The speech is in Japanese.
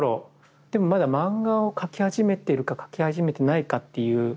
でもまだ漫画を描き始めてるか描き始めてないかっていう。